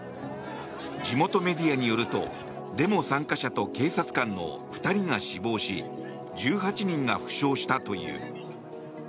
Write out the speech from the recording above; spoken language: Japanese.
地元メディアによるとデモ参加者と警察官の２人が死亡し１８人が負傷したという。